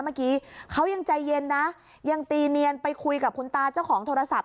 เมื่อกี้เขายังใจเย็นนะยังตีเนียนไปคุยกับคุณตาเจ้าของโทรศัพท์